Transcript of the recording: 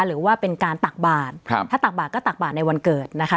หรือว่าเป็นการตักบาทถ้าตักบาทก็ตักบาทในวันเกิดนะคะ